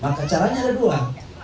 maka caranya ada dua